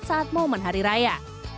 saat momen hari raya